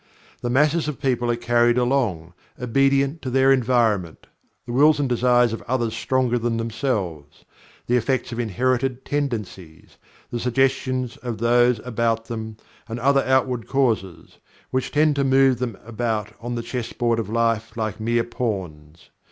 The masses of people are carried along, obedient to their environment; the wills and desires of others stronger than themselves; the effects of inherited tendencies; the suggestions of those about them; and other outward causes; which tend to move them about on the chess board of life like mere pawns.